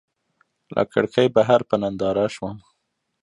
له کړکۍ بهر په ننداره شوم.